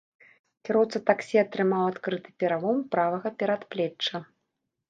Кіроўца таксі атрымаў адкрыты пералом правага перадплечча.